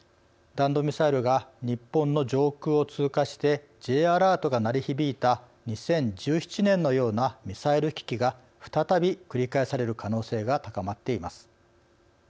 弾道ミサイルが日本の上空を通過してＪアラートが鳴り響いた２０１７年のようなミサイル危機が再び繰り返される可能性が高まっています。